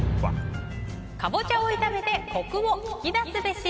カボチャを炒めてコクを引き出すべし。